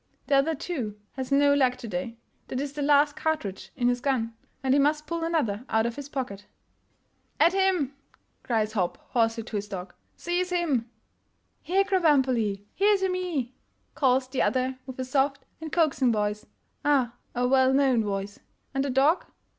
The other, too, has no luck today — that is the last cartridge in his gun, and he must pull another out of his pocket. 426 THE GERMAN CLASSICS "At him! " cries Hopp hoarsely to his dog — " Seize him! " 1 ' Here, Krambambuli — here to me !'' calls the other with a soft and coaxing voice — ah, a well known voice! And the dog.